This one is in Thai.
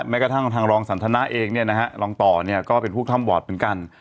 แม้กระทั่งทางรองสันทนาเองเนี่ยนะฮะรองต่อเนี่ยก็เป็นพวกถ้ำบอดเหมือนกัน